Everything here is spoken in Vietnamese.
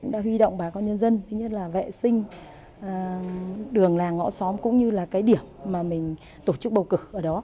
đã huy động bà con nhân dân thứ nhất là vệ sinh đường làng ngõ xóm cũng như là cái điểm mà mình tổ chức bầu cử ở đó